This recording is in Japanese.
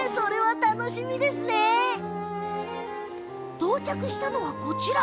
到着したのが、こちら。